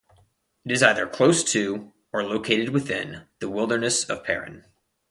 It is either close to, or located within, the Wilderness of Paran.